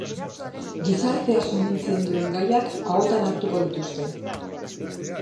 Gizartea sumintzen duten gaiak ahotan hartuko dituzte.